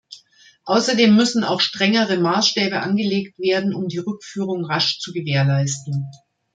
Außerdem müssen auch strengere Maßstäbe angelegt werden, um die Rückführung rasch zu gewährleisten.